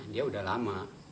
dia sudah lama